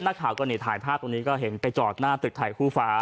นักข่าวก็นี่ถ่ายภาพตรงนี้ก็เห็นไปจอดหน้าตึกไทยคู่ฟ้า